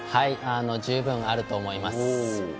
十分あると思います。